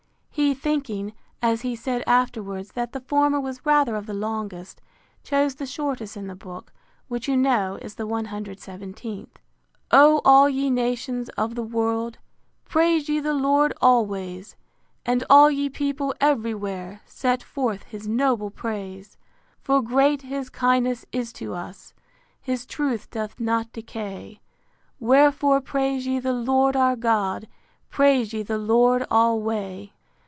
He thinking, as he said afterwards, that the former was rather of the longest, chose the shortest in the book, which you know is the cxviith. [O all ye nations of the world, Praise ye the Lord always: And all ye people every where Set forth his noble praise. For great his kindness is to us; His truth doth not decay: Wherefore praise ye the Lord our God; Praise ye the Lord alway.